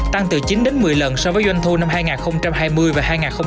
tăng từ chín đến một mươi lần so với doanh thu năm hai nghìn hai mươi và hai nghìn hai mươi hai